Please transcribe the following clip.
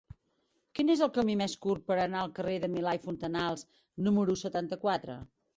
Quin és el camí més curt per anar al carrer de Milà i Fontanals número setanta-quatre?